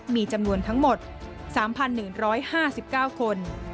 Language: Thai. มีจำนวนทั้งหมด๓๑๕๙คน